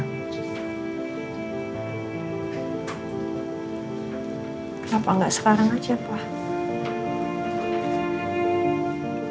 kenapa enggak sekarang aja pak